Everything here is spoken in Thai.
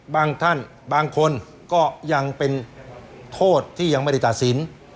ท่านบางคนก็ยังเป็นโทษที่ยังไม่ได้ตัดสิน